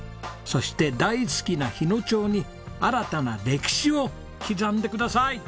そして大好きな日野町に新たな歴史を刻んでください。